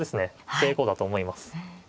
成功だと思います。